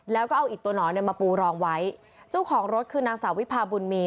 แล้วก็เอาอิดตัวหนอนเนี่ยมาปูรองไว้เจ้าของรถคือนางสาววิพาบุญมี